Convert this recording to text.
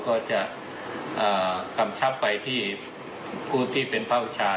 ก็จะกำชับไปที่ผู้ที่เป็นภาควิชา